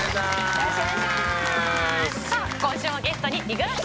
よろしくお願いします。